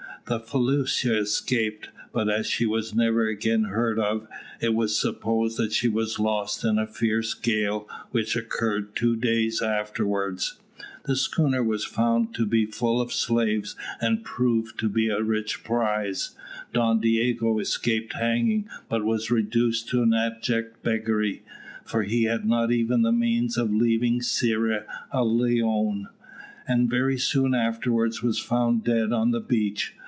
The felucca escaped, but as she was never again heard of, it was supposed that she was lost in a fierce gale which occurred two days afterwards. The schooner was found to be full of slaves, and proved a rich prize. Don Diogo escaped hanging, but was reduced to abject beggary, for he had not even the means of leaving Sierra Leone, and very soon afterwards was found dead on the beach.